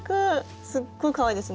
すっごいかわいいですね。